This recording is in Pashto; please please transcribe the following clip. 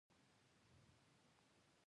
کورمه او بوڼ فرق نه لري